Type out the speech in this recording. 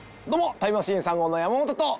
タイムマシーン３号の山本と。